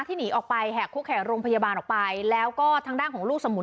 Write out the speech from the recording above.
หนีออกไปแหกคุกแห่โรงพยาบาลออกไปแล้วก็ทางด้านของลูกสมุน